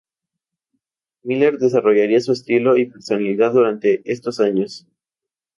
Miller desarrollaría su estilo y personalidad durante estos años.